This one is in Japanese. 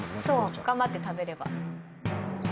そう頑張って食べれば。